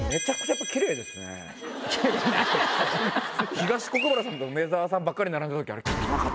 東国原さんと梅沢さんばっかり並んだ時あれはははっ。